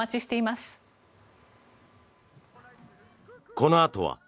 このあとは。